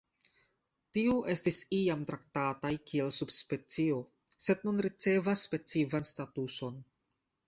Tiu estis iam traktataj kiel subspecio, sed nun ricevas specifan statuson.